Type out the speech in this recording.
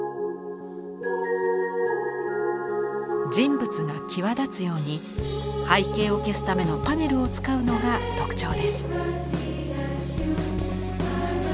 人物が際立つように背景を消すためのパネルを使うのが特徴です。